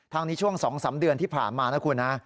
ทางนี้ช่วง๒๓เดือนที่ผ่านมานะคุณ